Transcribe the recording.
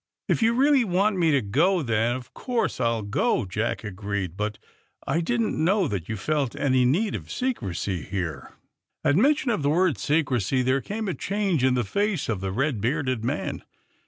''If you really want me to go, then of course I '11 go, '' Jack agreed. '' But I didn 't know that you felt any need of secrecy here.' ^ At mention of the word '' secrecy '' there came a change in the face of the red bearded man.